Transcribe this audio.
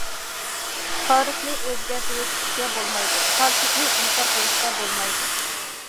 تارىخنى ئۆزگەرتىۋېتىشكە بولمايدۇ، پاكىتنى ئىنكار قىلىشقا بولمايدۇ.